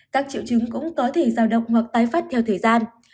các triệu chứng cũng có thể giao độc hoặc tái phát theo thời gian